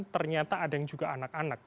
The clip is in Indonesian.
ternyata ada yang juga anak anak